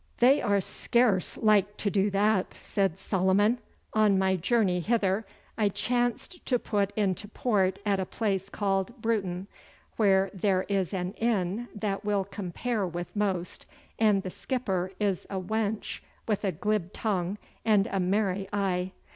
'They are scarce like to do that,' said Solomon. 'On my journey hither I chanced to put into port at a place called Bruton, where there is an inn that will compare with most, and the skipper is a wench with a glib tongue and a merry eye.